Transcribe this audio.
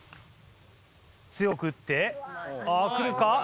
強く打って来るか？